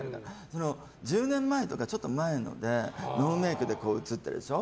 １０年前とかちょっと前のでノーメイクで写ってるでしょ。